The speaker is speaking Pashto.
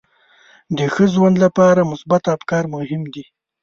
د ښه ژوند لپاره مثبت افکار مهم دي.